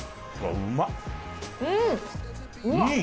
うん。